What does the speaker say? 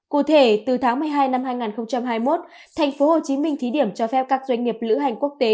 cụ thể từ tháng một mươi hai năm hai nghìn hai mươi một thành phố hồ chí minh thí điểm cho phép các doanh nghiệp lữ hành quốc tế